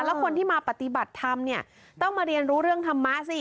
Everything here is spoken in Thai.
แล้วคนที่มาปฏิบัติธรรมเนี่ยต้องมาเรียนรู้เรื่องธรรมะสิ